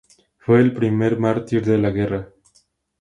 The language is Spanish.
Fue el primer mártir de la guerra.